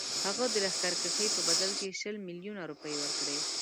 هغه د لښکرکښۍ په بدل کې شل میلیونه روپۍ ورکړي.